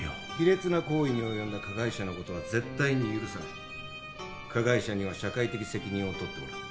「卑劣な行為に及んだ加害者のことは絶対に許さない」「加害者には社会的責任を取ってもらう」